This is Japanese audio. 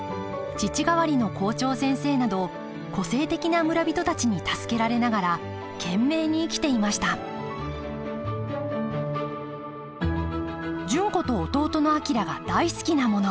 父代わりの校長先生など個性的な村人たちに助けられながら懸命に生きていました純子と弟の昭が大好きなもの。